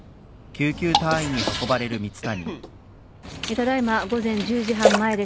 ただ今午前１０時半前です。